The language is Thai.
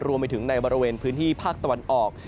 รวมไปถึงในบริเวณพื้นที่ภาคตะวันออก